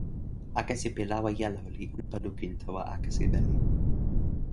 akesi pi lawa jelo li unpa lukin tawa akesi meli.